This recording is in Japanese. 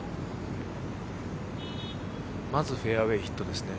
まずフェアウエーヒットですね。